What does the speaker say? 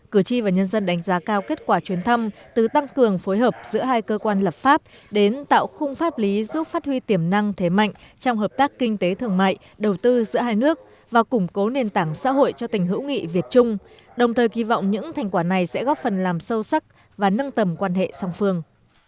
cử tri và nhân dân đánh giá cao kết quả chuyến thăm từ tăng cường phối hợp giữa hai cơ quan lập pháp đến tạo khung pháp lý giúp phát huy tiềm năng thế mạnh trong hợp tác kinh tế thường mại đầu tư giữa hai nước và củng cố nền tảng xã hội cho tình hữu nghị việt trung đồng thời kỳ vọng những thành quả này sẽ góp phần làm sâu sắc và nâng tầm quan hệ song phương